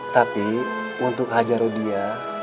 tapi untuk hajarudia